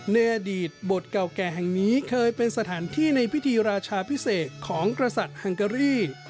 ในอดีตบทเก่าแก่แห่งนี้เคยเป็นสถานที่ในพิธีราชาพิเศษของกษัตริย์ฮังเกอรี่